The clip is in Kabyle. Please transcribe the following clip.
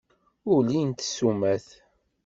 Ulint ssumat.